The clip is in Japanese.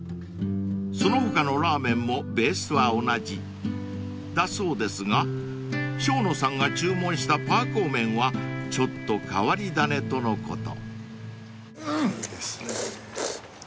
［その他のラーメンもベースは同じだそうですが生野さんが注文したぱーこー麺はちょっと変わり種とのこと］